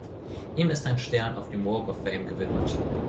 Ihm ist ein Stern auf dem Walk of Fame gewidmet.